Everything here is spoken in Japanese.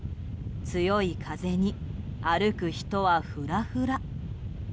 強い風に、歩く人はふらふら。